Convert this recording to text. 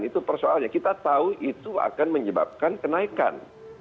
itu persoalnya kita tahu itu akan menyebabkan kenaikan